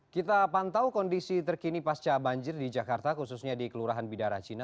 kita pantau kondisi terkini pasca banjir di jakarta khususnya di kelurahan bidara cina